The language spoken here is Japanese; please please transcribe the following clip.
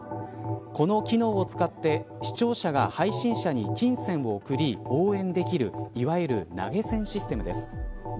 この機能を使って視聴者が配信者に金銭を送り、応援できるいわゆる、投げ銭システムです。